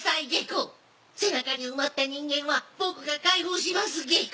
背中に埋まった人間は僕が解放しますゲコ！